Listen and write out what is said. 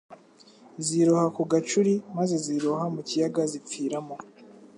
ziroha ku gacuri, maze ziroha mu kiyaga zipfiramo.